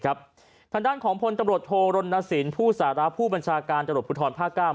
ฐานด้านของผลตำรวจโทรณสินผู้สาระผู้บัญชาการจรดพุทรภาคกล้าม